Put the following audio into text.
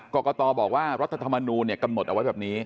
กรกตบอกว่ารัฐธรรมนูลกำหนดเอาไว้แบบนี้